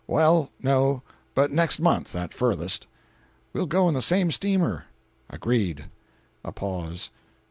"Well—no—but next month, at furthest." "We'll go in the same steamer." "Agreed." A pause.